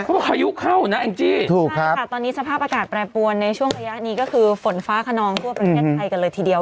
พายุเข้านะแองจี้ถูกใช่ค่ะตอนนี้สภาพอากาศแปรปวนในช่วงระยะนี้ก็คือฝนฟ้าขนองทั่วประเทศไทยกันเลยทีเดียว